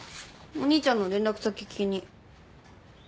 お兄ちゃんの連絡先聞きに。